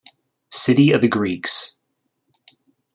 "City of the Greeks".